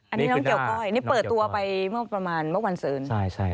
อันนี้น้องเกี่ยวก้อยนี่เปิดตัวไปเมื่อประมาณเมื่อวันศืน